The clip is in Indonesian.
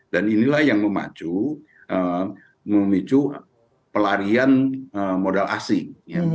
dan inilah yang memacu memicu pelarian modal asing